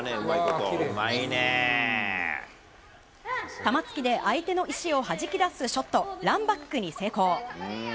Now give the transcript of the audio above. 玉突きで相手の石をはじき出すショット、ランバックに成功。